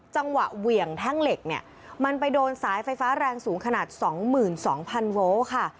จังหวะเหวี่ยงแท่งเหล็กเนี่ยมันไปโดนสายไฟฟ้าแรงสูงขนาดสองหมื่นสองพันโวลค่ะ